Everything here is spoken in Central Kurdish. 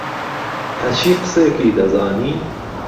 ههچی قسێکی دهزانی